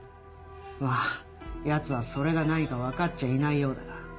まぁヤツはそれが何か分かっちゃいないようだが。